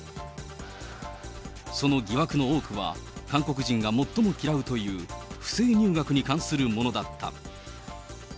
その疑惑の多くは、韓国人が最も嫌うという不正入学に関するものだった。